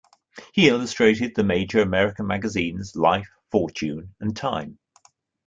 He illustrated the major American magazines "Life", "Fortune", and "Time".